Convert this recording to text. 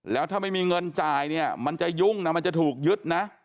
แล้วถ้าไม่มีเงินจ่ายเนี่ยมันจะยุ่งนะมันจะถูกยึดนะ